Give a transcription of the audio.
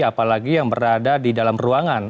apalagi yang berada di dalam ruangan